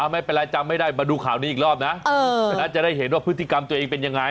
ไม่เป็นไรจำไม่ได้มาดูข่าวนี้อีกรอบนะจะได้เห็นว่าพฤติกรรมตัวเองเป็นยังไง